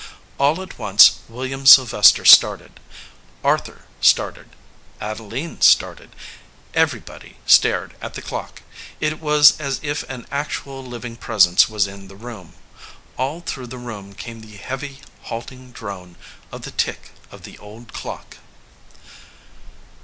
All at once William Sylvester started; Arthur started ; Adeline started. Everybody stared at the clock. It was as if an actual living presence was in the room. All through the room came the heavy halting drone of the tick of the old clock.